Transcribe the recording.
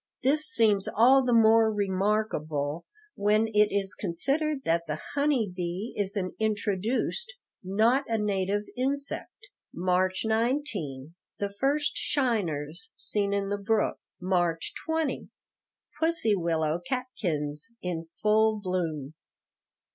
This seems all the more remarkable when it is considered that the honey bee is an introduced, not a native insect. March 19 The first shiners seen in the brook. March 20 Pussy willow catkins in full bloom.